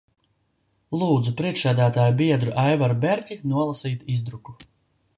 Lūdzu priekšsēdētāja biedru Aivaru Berķi nolasīt izdruku.